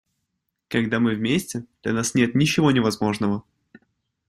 Когда мы вместе, для нас нет ничего невозможного.